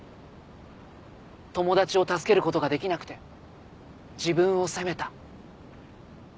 友達を助けることができなくて自分を責めた。